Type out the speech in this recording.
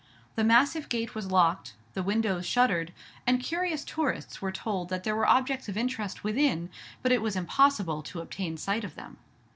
The massive gate was locked, the windows shuttered, and curious tourists were told that there were objects of interest within, but it was impossible to obtain sight of them.